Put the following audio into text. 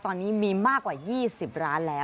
ตอนนี้มีมากกว่า๒๐ล้านแล้ว